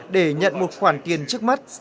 để nhận một khoản tiền trước mắt